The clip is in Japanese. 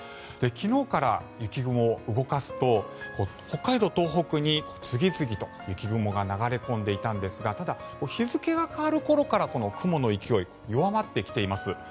昨日から雪雲を動かすと北海道、東北に次々と雪雲が流れ込んでいたんですがただ、日付が変わる頃から雲の勢い、弱まってきています。